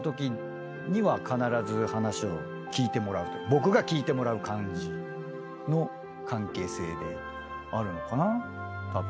僕が聞いてもらう感じの関係性であるのかなたぶん。